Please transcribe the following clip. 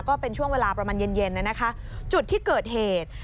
ก็เป็นช่วงเวลาประมาณเย็นเย็นนะคะจุดที่เกิดเหตุ